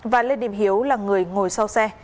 và lê điệp hiếu là người ngồi sau xe